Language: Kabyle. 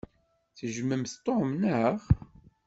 Tejjmemt Tom, naɣ?